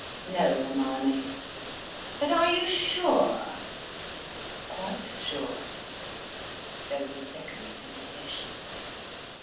"No, Hermione." "But are you sure?" "Quite sure." There was a second's hesitation.